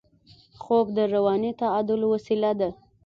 خوب د رواني تعادل وسیله ده